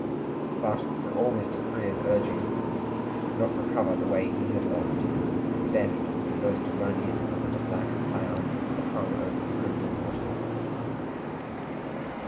But, for all Mr. Frere's urging, he could not recover the way he had lost, and Best was the first to run in under the black cloud that hung over the crimsoned water.